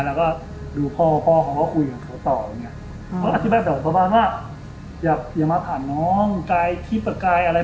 แล้วก็ดูพ่อพ่อพ่อพ่อพ่อคุยกับเขาต่อ